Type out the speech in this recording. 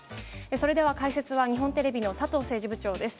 それでは、解説は日本テレビの佐藤政治部長です。